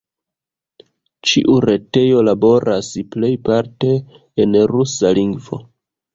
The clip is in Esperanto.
Ĉiu retejo laboras plejparte en rusa lingvo.